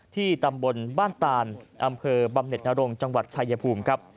ตำบลบ้านตานอำเภอบำเน็ตนรงจังหวัดชายภูมิครับ